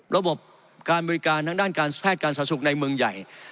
ระบบการบริการทางด้านการแพทย์การสาธารณสุขในเมืองใหญ่